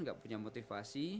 gak punya motivasi